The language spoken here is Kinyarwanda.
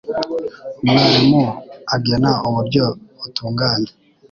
umwarimu agena uburyo butunganye